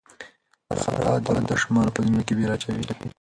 خرافات د ماشومانو په ذهنونو کې وېره اچوي.